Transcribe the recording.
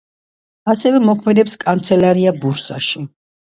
ასევე მოქმედებს კანცელარია ბურსაში.